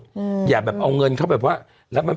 เขาระบบทำทำอันนูนอันนี่แบบนี้ใช่ไหม